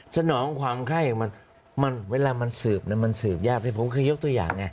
สนองความไข้ของมันเวลามันสืบมันสืบยากแต่ผมคือยกตัวอย่างไง